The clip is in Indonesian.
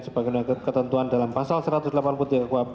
sebagai ketentuan dalam pasal satu ratus delapan puluh tiga kuap